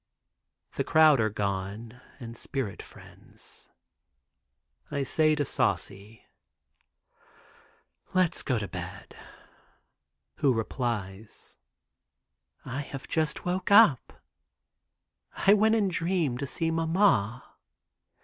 The crowd are gone and spirit friends. I say to Saucy: "Let's go to bed," who replies: "I have just woke up. I went in dream to see Mamma.